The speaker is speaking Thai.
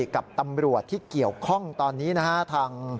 กับตำรวจที่เกี่ยวข้องตอนนี้นะฮะ